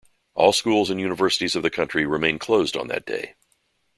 All schools and universities of the country remain closed on that day.